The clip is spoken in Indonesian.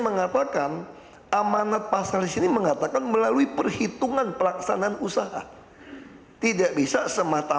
mengatakan amanat pasal disini mengatakan melalui perhitungan pelaksanaan usaha tidak bisa semata